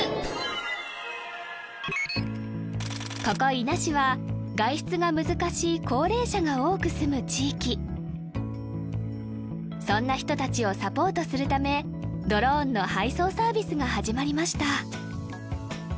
ここ伊那市は外出が難しい高齢者が多く住む地域そんな人達をサポートするためドローンの配送サービスが始まりました